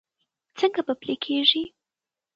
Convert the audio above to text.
څنګه به پلي کېږي؟